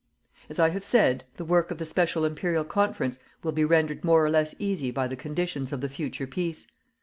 As I have said, the work of the special Imperial Conference will be rendered more or less easy by the conditions of the future peace.